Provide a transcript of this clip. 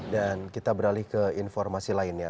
dan kita beralih ke informasi lainnya